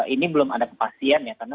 ini belum ada kepastian ya karena